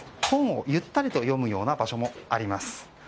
本をゆったりと読むような場所もあります。